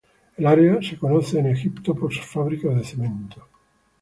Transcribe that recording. El área es conocida en Egipto por sus fábricas de cemento.